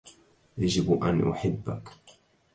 يجب ان يحبك